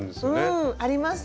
あります。